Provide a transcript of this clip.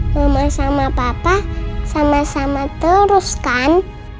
mama sama papa sama sama teruskan